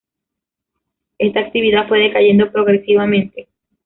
Esta actividad fue decayendo progresivamente.